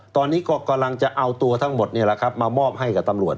ตอนนี้ก็กำลังจะเอาตัวทั้งหมดมามอบให้กับตำรวจ